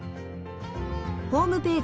ホームページ